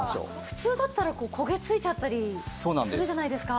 普通だったら焦げついちゃったりするじゃないですか。